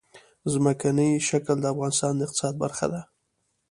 ځمکنی شکل د افغانستان د اقتصاد برخه ده.